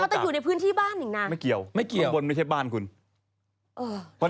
เอาแต่อยู่ในพื้นที่บ้านเนี่ยไม่เกี่ยวบนบนไม่ใช่บ้านคุณ